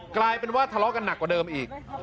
กลายเป็นว่าทะเลาะกันหนักกว่าเดิมอีก